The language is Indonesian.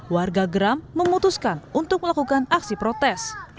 warga geram memutuskan untuk melakukan aksi protes